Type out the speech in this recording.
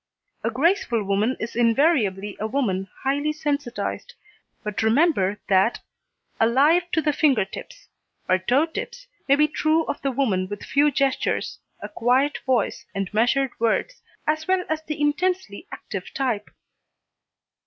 A graceful woman is invariably a woman highly sensitised, but remember that "alive to the finger tips" or toe tips, may be true of the woman with few gestures, a quiet voice and measured words, as well as the intensely active type.